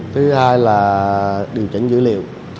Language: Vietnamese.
thứ hai là điều chỉnh dữ liệu